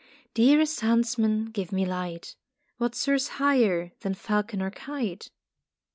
"Dearest huntsman, give me light. What soars higher than falcon or kite?"